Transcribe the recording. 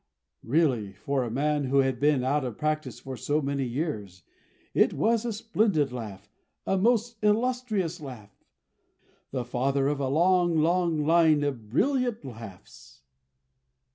Ha, ha, ha!" Really, for a man who had been out of practice for so many years, it was a splendid laugh, a most illustrious laugh. The father of a long, long line of brilliant laughs!